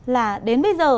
là đến bây giờ